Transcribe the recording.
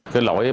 chúng ta đã biết